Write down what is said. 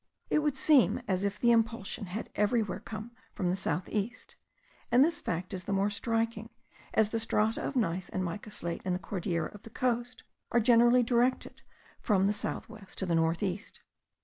It would seem as if the impulsion had everywhere come from the south east; and this fact is the more striking, as the strata of gneiss and mica slate in the Cordillera of the coast are generally directed from the south west to the north east.